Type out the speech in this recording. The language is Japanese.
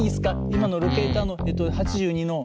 今のロケーターの８２の。